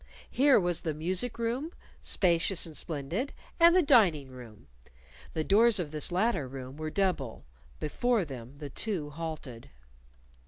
Here was the music room, spacious and splendid, and the dining room. The doors of this latter room were double. Before them the two halted.